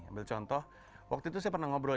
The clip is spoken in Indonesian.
ambil contoh waktu itu saya pernah ngobrol